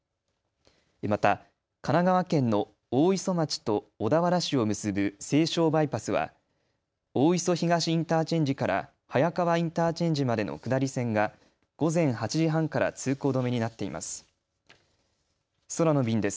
また、神奈川県の大磯町と小田原市を結ぶ西湘バイパスは大磯東インターチェンジから早川インターチェンジまでの下り線が午前８時半から通行止めになっています。